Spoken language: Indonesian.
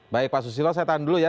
baik pak susilo saya tahan dulu ya